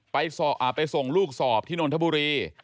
ไปส่งลูกสอบที่นนทบุรี